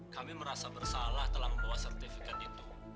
kami merasa bersalah telah membawa sertifikat itu